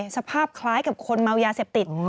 สภาพคล้ายกับคนเมายาเสพติด